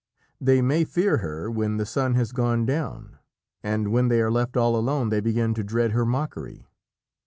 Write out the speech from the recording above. They may fear her when the sun has gone down, and when they are left all alone they begin to dread her mockery.